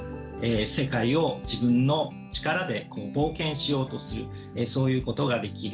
世界を自分の力で冒険しようとするそういうことができると。